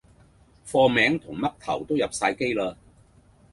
貨名同嘜頭都入哂機啦